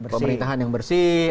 pemerintahan yang bersih